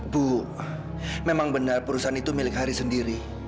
bu memang benar perusahaan itu milik hari sendiri